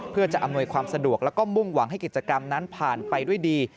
เพื่อจะอำนวยความสะดวกแล้วก็มุ่งหวังให้กิจกรรมนั้นผ่านไปด้วยดี